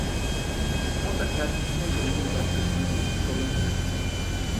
O da kendisine göre bir başkasını bulmuş olabilirdi.